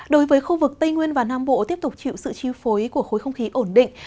đối với khu vực tây nguyên và nam bộ tiếp tục chịu sự chi phối của khối không khí ổn định